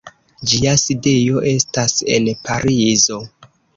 Ĝia sidejo estas en Parizo.